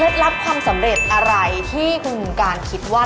เคล็ดลับความสำเร็จอะไรที่คุณหมุนการคิดว่า